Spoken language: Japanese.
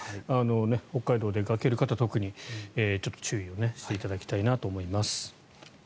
北海道出かける方は特に注意をしていただきたいと思います。